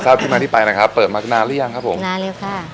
ที่มาที่ไปนะครับเปิดมานานหรือยังครับผมนานแล้วค่ะ